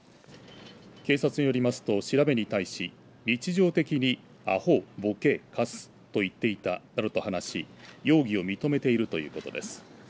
警察によりますと調べに対し日常的にあほ、ぼけ、かすと言っていたなどと話し容疑を認めているということです。